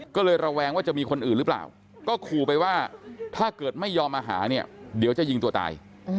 ก็เลยระแวงว่าจะมีคนอื่นหรือเปล่าก็ขู่ไปว่าถ้าเกิดไม่ยอมมาหาเนี่ยเดี๋ยวจะยิงตัวตาย